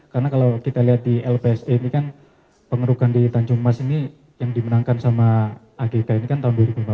karena kalau kita lihat di lpse ini kan pengerukan di tanjung mas ini yang dimenangkan sama agk ini kan tahun dua ribu lima belas gitu ya